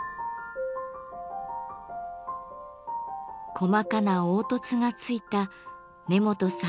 細かな凹凸がついた根本さん